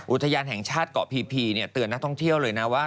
อุทยานแห่งชาติเกาะพีเตือนนักท่องเที่ยวเลยนะว่า